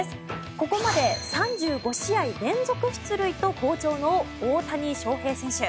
ここまで３５試合連続出塁と好調の大谷翔平選手。